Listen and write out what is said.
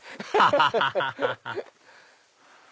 ハハハハ！